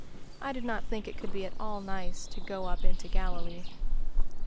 I did not think it could be at all nice to "go up into Galilee."